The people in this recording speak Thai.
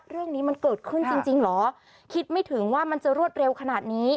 เรื่องนี้มันเกิดขึ้นจริงจริงเหรอคิดไม่ถึงว่ามันจะรวดเร็วขนาดนี้